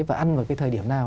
và ăn vào cái thời điểm nào